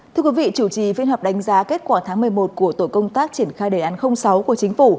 thưa quý vị chủ trì phiên họp đánh giá kết quả tháng một mươi một của tổ công tác triển khai đề án sáu của chính phủ